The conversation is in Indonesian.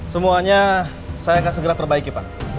semuanya saya akan segera perbaiki pak